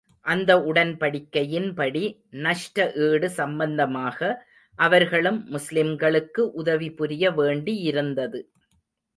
அந்த உடன்படிக்கையின் படி, நஷ்டஈடு சம்பந்தமாக அவர்களும், முஸ்லிம்களுக்கு உதவி புரிய வேண்டியிருந்தது.